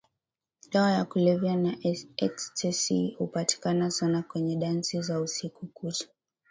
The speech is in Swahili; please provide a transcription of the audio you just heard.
Dawa ya kulevya ya ecstasy hupatikana sana kwenye dansi za usiku kucha